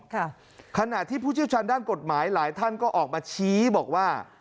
ขณะที่ผู้เชี่ยวชาญด้านกฎหมายหลายท่านก็ออกมาชี้บอกว่า